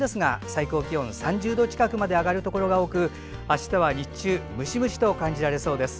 最高気温は３０度近くまで上がるところが多くあしたは日中ムシムシと感じられそうです。